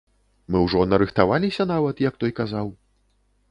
Мы ўжо нарыхтаваліся нават, як той казаў.